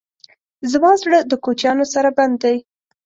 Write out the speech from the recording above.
زما زړه د کوچیانو سره بند دی.